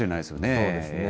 そうですね。